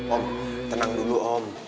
om tenang dulu om